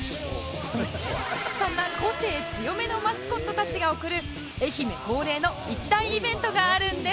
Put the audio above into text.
そんな個性強めのマスコットたちが送る愛媛恒例の一大イベントがあるんです